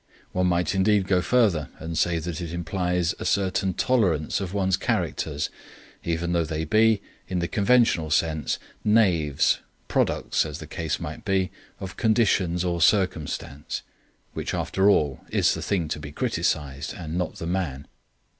One might indeed go further and say that it implies a certain tolerance of one's characters even though they be, in the conventional sense, knaves, products, as the case might be, of conditions or circumstance, which after all is the thing to be criticised and not the man.